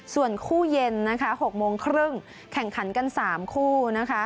ส่วนคู่เย็น๖โมงครึ่งแข่งขันกัน๓คู่